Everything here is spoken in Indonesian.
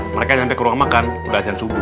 mereka sampai ke ruang makan udah azan subuh